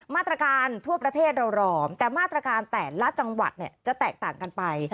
มาตรการทั่วประเทศเรารอมแต่มาตรการแต่ละจังหวัดเนี่ยจะแตกต่างกันไป